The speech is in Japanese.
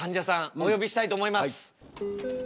お呼びしたいと思います。